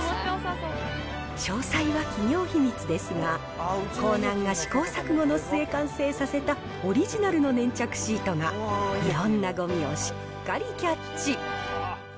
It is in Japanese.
詳細は企業秘密ですが、コーナンが試行錯誤の末完成させたオリジナルの粘着シートが、いろんなごみをしっかりキャッチ。